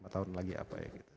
lima tahun lagi apa ya gitu